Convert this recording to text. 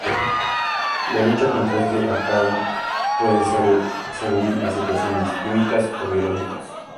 La lucha contra este ácaro puede ser según las situaciones, química o biológica.